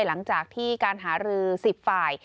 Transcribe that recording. หลังจากที่การหารือ๑๐ฝ่าย